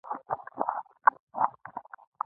که چای ښه وي، هر څه ښه وي.